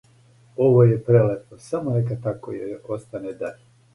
Ово је прелепо, само нека тако остане и даље!